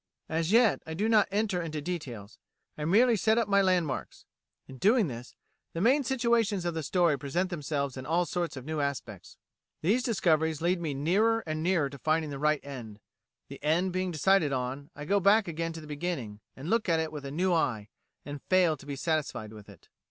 As yet I do not enter into details; I merely set up my landmarks. In doing this, the main situations of the story present themselves in all sorts of new aspects. These discoveries lead me nearer and nearer to finding the right end. The end being decided on, I go back again to the beginning, and look at it with a new eye, and fail to be satisfied with it."